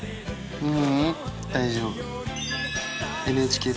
うん。